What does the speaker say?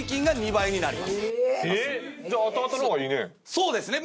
そうですね。